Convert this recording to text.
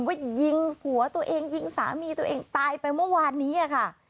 ว่ายิงผัวตัวเองยิงสามีตัวเองตายไปเมื่อวานนี้ค่ะ